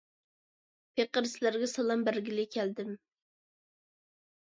پېقىر سىلەرگە سالام بەرگىلى كەلدىم.